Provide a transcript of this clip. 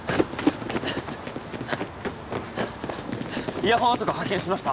イヤホン男発見しました